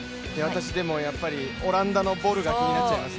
でも私、オランダのボルが気になっちゃいます。